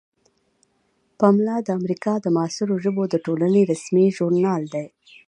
پملا د امریکا د معاصرو ژبو د ټولنې رسمي ژورنال دی.